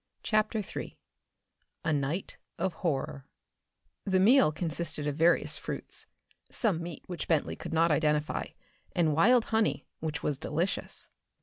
CHAPTER III A Night of Horror The meal consisted of various fruits, some meat which Bentley could not identify, and wild honey which was delicious.